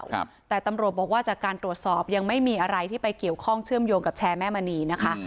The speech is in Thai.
ครับแต่ตำรวจบอกว่าจากการตรวจสอบยังไม่มีอะไรที่ไปเกี่ยวข้องเชื่อมโยงกับแชร์แม่มณีนะคะ